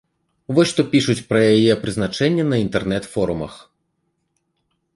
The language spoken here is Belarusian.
Вось што пішуць пра яе прызначэнне на інтэрнэт-форумах.